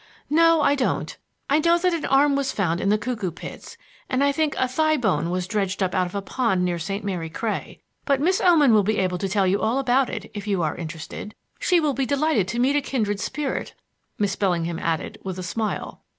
"No, I don't. I know that an arm was found in the Cuckoo Pits, and I think a thigh bone was dredged up out of a pond near St. Mary Cray. But Miss Oman will be able to tell you all about it, if you are interested. She will be delighted to meet a kindred spirit," Miss Bellingham added, with a smile.